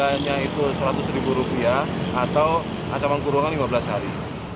yang itu rp seratus atau ancaman kurungan lima belas hari